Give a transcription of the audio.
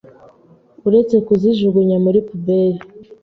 uretse kuzijugunya muri puberi